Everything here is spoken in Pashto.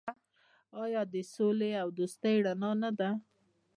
آیا د سولې او دوستۍ رڼا نه ده؟